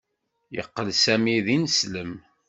Yeqqel Sami d ineslem.